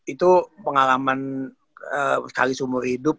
itu pengalaman sekali seumur hidup